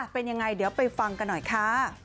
เป็นยังไงเดี๋ยวไปฟังกันหน่อยค่ะ